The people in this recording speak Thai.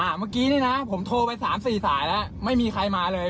อาเมื่อกี้นี่นะผมโทรไว้สามสี่สายแล้วไม่มีใครมาเลย